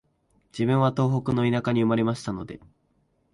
自分は東北の田舎に生まれましたので、